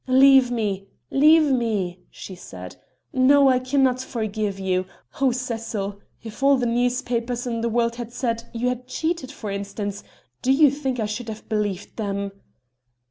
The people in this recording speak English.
"Leave me, leave me," she said. "No, I cannot forgive you. Oh Cecil! if all the newspapers in the world had said you had cheated, for instance do you think I should have believed them?"